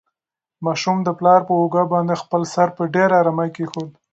ماشوم د پلار په اوږه باندې خپل سر په ډېرې ارامۍ کېښود.